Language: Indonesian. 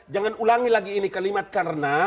jangan ulangi lagi ini kalimat karena